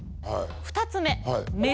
２つ目目印。